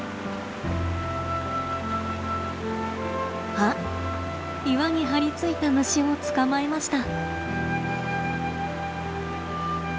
あっ岩に張り付いた虫を捕まえました。